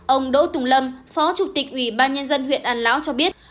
ông đỗ tùng lâm phó chủ tịch ủy ban nhân dân huyện an lão cho biết